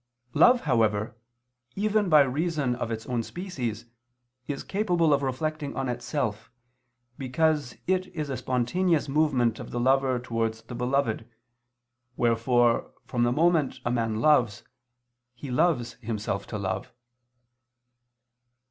Love, however, even by reason of its own species, is capable of reflecting on itself, because it is a spontaneous movement of the lover towards the beloved, wherefore from the moment a man loves, he loves himself to love.